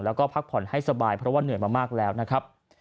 แล้วก็พักผ่อนให้สบายเพราะว่าเหนื่อยมามากแล้วนะครับ